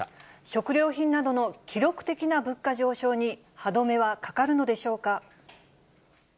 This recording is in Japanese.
食料品などの記録的な物価上昇に、歯止めはかかるのでしょうか。